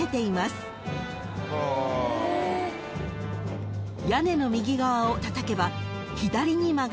［屋根の右側をたたけば左に曲がる］